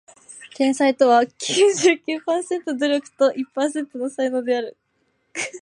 天才とは九十九パーセントの努力と一パーセントの才能である